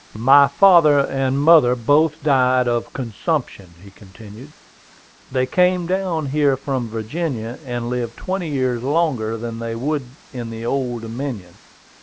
"My father and mother both died of consumption," he continued. "They came down here from Virginia, and lived twenty years longer than they would in the Old Dominion.